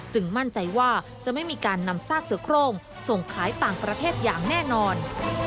มั่นใจว่าจะไม่มีการนำซากเสือโครงส่งขายต่างประเทศอย่างแน่นอน